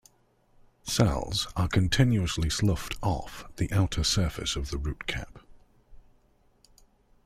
Cells are continuously sloughed off the outer surface of the root cap.